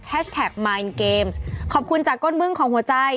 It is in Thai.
แฮชแท็กมายน์เกมส์ขอบคุณจากก้นมึ่งของหัวใจ